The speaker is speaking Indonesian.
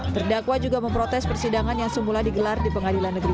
terdakwa juga memprotes persidangan yang semula digelar di pengadilan negeri